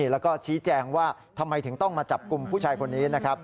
แล้วก็ชี้แจงว่าทำไมถึงต้องมาจับกลุ่มผู้ชายคนนี้นะครับ